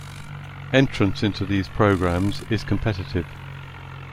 Entrance into these programs is competitive.